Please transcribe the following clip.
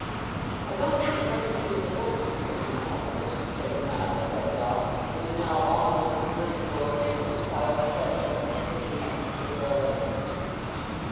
"I don't think much of you as a book keeper, you know," Fisker said to Miles Grendall in the now almost deserted Board room of the South Central Pacific and Mexican Railway.